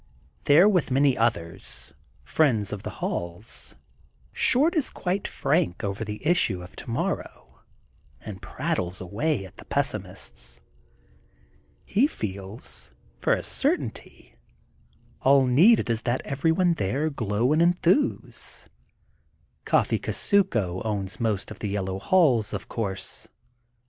There with many others, friends of the halls, Short is quite frank over the issue of tomorrow and prattles away at the pessimists. He feels, for a certainty, all needed is that everyone there glow and enthuse. Coffee Kusuko owns most of the Yellow Halls, of course.